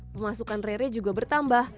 pemasukan rere juga bertambah